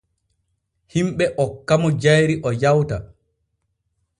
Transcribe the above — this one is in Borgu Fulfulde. Himɓe hokkamo jayri o yawta.